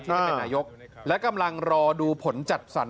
ได้เป็นนายกและกำลังรอดูผลจัดสรร